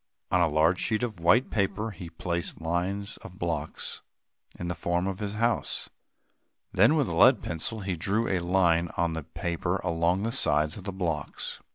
On a large sheet of white paper, he placed lines of blocks in the form of his house. Then, with a lead pencil, he drew a line on the paper along the sides of the blocks.